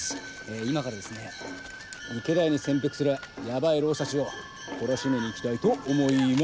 今からですね池田屋に潜伏するやばい浪士たちを懲らしめに行きたいと思います。